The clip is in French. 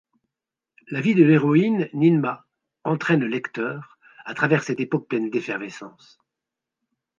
La vie de l’héroïne, Ninmah entraîne le lecteur, à travers cette époque pleine d’effervescence.